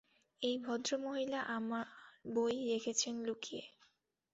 এই ভদ্রমহিলা আমার বই রেখেছেন লুকিয়ে।